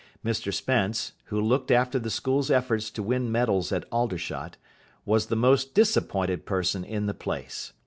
Mr Spence, who looked after the school's efforts to win medals at Aldershot, was the most disappointed person in the place.